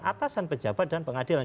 atasan pejabat dan pengadilan